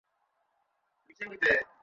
দেখে তো খুবই ভয়ংকর মনে হচ্ছে।